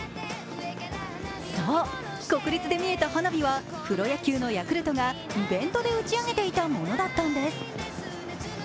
そう、国立で見えた花火はプロ野球のヤクルトがイベントで打ち上げていたものだったんです。